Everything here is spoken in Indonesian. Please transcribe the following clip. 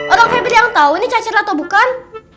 orang feber yang tau ini cacar atau bukan